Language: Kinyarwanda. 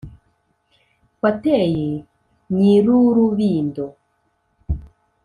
wateye nyir' urubindo,